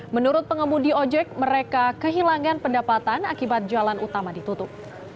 menurut pengemudi ojek mereka kehilangan pendapatan akibat jalan utama ditutup